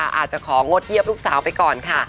อาจจะของงดเยี่ยมลูกสาวไปก่อนค่ะ